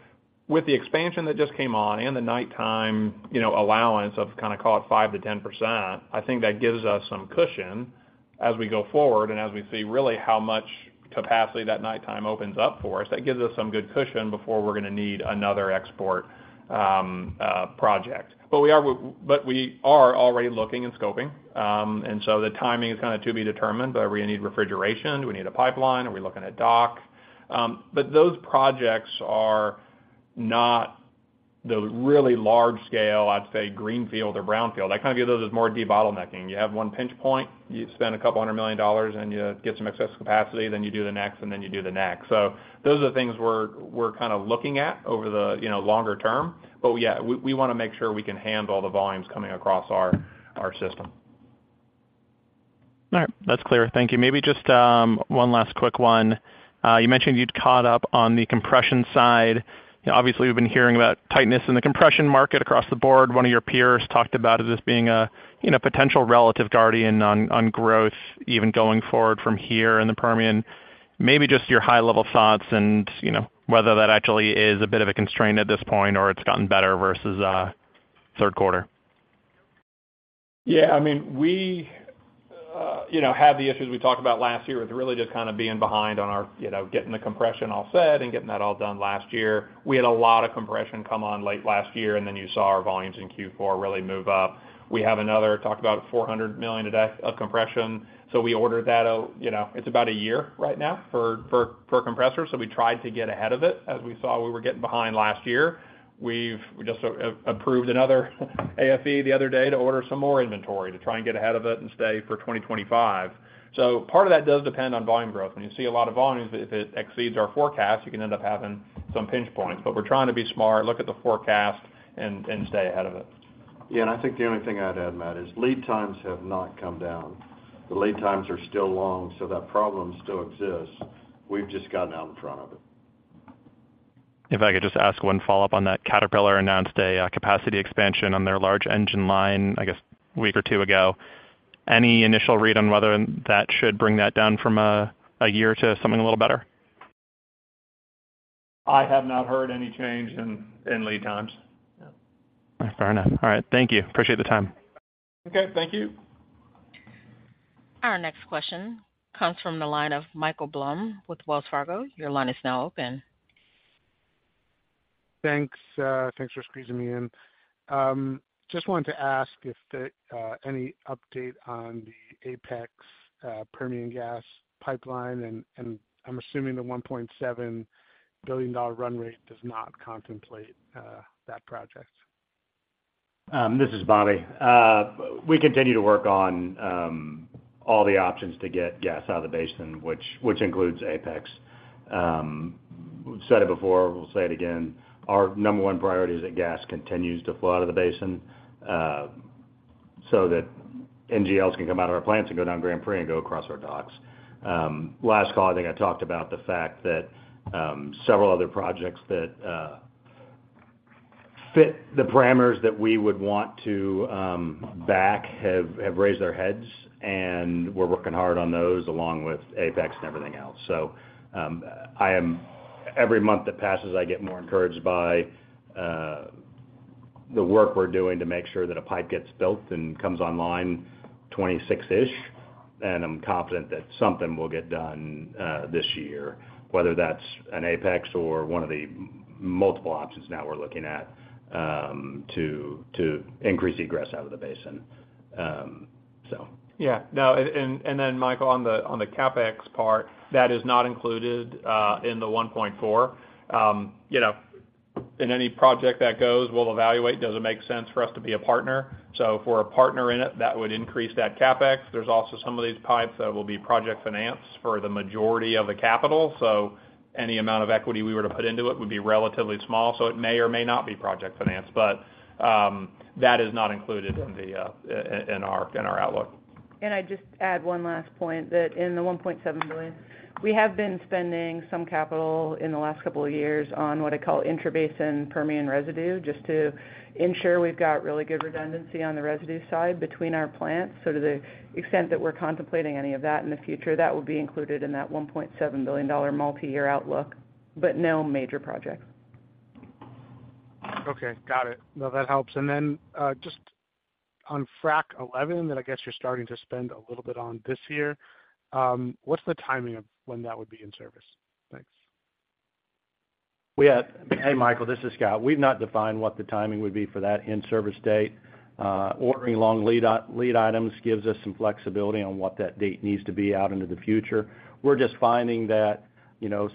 with the expansion that just came on and the nighttime allowance of kind of call it 5%-10%, I think that gives us some cushion as we go forward and as we see really how much capacity that nighttime opens up for us. That gives us some good cushion before we're going to need another export project. But we are already looking and scoping. And so the timing is kind of to be determined. Do we need refrigeration? Do we need a pipeline? Are we looking at dock? But those projects are not the really large-scale, I'd say, Greenfield or Brownfield. I kind of view those as more debottlenecking. You have one pinch point. You spend $200 million, and you get some excess capacity. Then you do the next, and then you do the next. So those are the things we're kind of looking at over the longer term. But yeah, we want to make sure we can handle the volumes coming across our system. All right. That's clear. Thank you. Maybe just one last quick one. You mentioned you'd caught up on the compression side. Obviously, we've been hearing about tightness in the compression market across the board. One of your peers talked about it as being a potential relative guardrail on growth even going forward from here in the Permian. Maybe just your high-level thoughts and whether that actually is a bit of a constraint at this point or it's gotten better versus third quarter. Yeah. I mean, we have the issues we talked about last year with really just kind of being behind on getting the compression all set and getting that all done last year. We had a lot of compression come on late last year, and then you saw our volumes in Q4 really move up. We have another talked about 400 million a day of compression. So we ordered that. It's about a year right now for compressors. So we tried to get ahead of it as we saw we were getting behind last year. We just approved another AFE the other day to order some more inventory to try and get ahead of it and stay for 2025. So part of that does depend on volume growth. When you see a lot of volumes, if it exceeds our forecast, you can end up having some pinch points. But we're trying to be smart, look at the forecast, and stay ahead of it. Yeah. And I think the only thing I'd add, Matt, is lead times have not come down. The lead times are still long, so that problem still exists. We've just gotten out in front of it. If I could just ask one follow-up on that Caterpillar announced a capacity expansion on their large engine line, I guess, a week or two ago. Any initial read on whether that should bring that down from a year to something a little better? I have not heard any change in lead times. Yeah. Fair enough. All right. Thank you. Appreciate the time. Okay. Thank you. Our next question comes from the line of Michael Blum with Wells Fargo. Your line is now open. Thanks for squeezing me in. Just wanted to ask if any update on the Apex Permian gas pipeline, and I'm assuming the $1.7 billion run rate does not contemplate that project. This is Bobby. We continue to work on all the options to get gas out of the basin, which includes Apex. We've said it before. We'll say it again. Our number one priority is that gas continues to flow out of the basin so that NGLs can come out of our plants and go down Grand Prix and go across our docks. Last call, I think I talked about the fact that several other projects that fit the parameters that we would want to back have raised their heads, and we're working hard on those along with Apex and everything else. So every month that passes, I get more encouraged by the work we're doing to make sure that a pipe gets built and comes online 2026-ish, and I'm confident that something will get done this year, whether that's an Apex or one of the multiple options now we're looking at to increase egress out of the basin, so. Yeah. No. And then, Michael, on the CapEx part, that is not included in the $1.4. In any project that goes, we'll evaluate, "Does it make sense for us to be a partner?" So if we're a partner in it, that would increase that CapEx. There's also some of these pipes that will be project financed for the majority of the capital. So any amount of equity we were to put into it would be relatively small. So it may or may not be project financed, but that is not included in our outlook. I'd just add one last point that in the $1.7 billion, we have been spending some capital in the last couple of years on what I call intra-basin Permian residue just to ensure we've got really good redundancy on the residue side between our plants. So to the extent that we're contemplating any of that in the future, that will be included in that $1.7 billion multi-year outlook, but no major projects. Okay. Got it. No, that helps. And then just on Frac 11 that I guess you're starting to spend a little bit on this year, what's the timing of when that would be in service? Thanks. Hey, Michael. This is Scott. We've not defined what the timing would be for that in-service date. Ordering long lead items gives us some flexibility on what that date needs to be out into the future. We're just finding that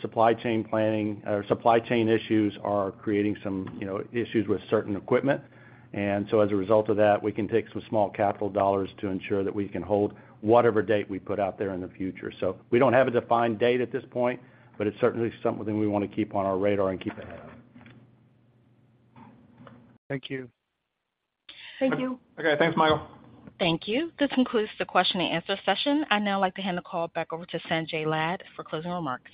supply chain planning or supply chain issues are creating some issues with certain equipment. And so as a result of that, we can take some small capital dollars to ensure that we can hold whatever date we put out there in the future. So we don't have a defined date at this point, but it's certainly something we want to keep on our radar and keep ahead of. Thank you. Thank you. Okay. Thanks, Michael. Thank you. This concludes the question-and-answer session. I would now like to hand the call back over to Sanjay Lad for closing remarks.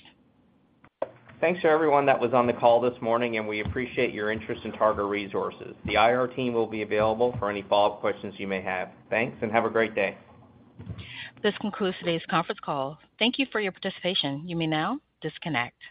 Thanks to everyone that was on the call this morning, and we appreciate your interest in Targa Resources. The IR team will be available for any follow-up questions you may have. Thanks, and have a great day. This concludes today's conference call. Thank you for your participation. You may now disconnect.